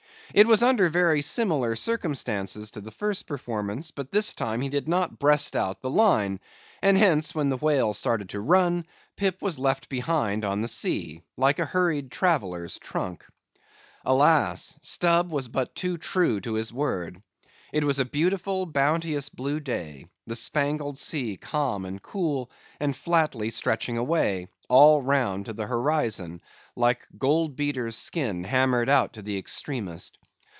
It was under very similar circumstances to the first performance; but this time he did not breast out the line; and hence, when the whale started to run, Pip was left behind on the sea, like a hurried traveller's trunk. Alas! Stubb was but too true to his word. It was a beautiful, bounteous, blue day; the spangled sea calm and cool, and flatly stretching away, all round, to the horizon, like gold beater's skin hammered out to the extremest.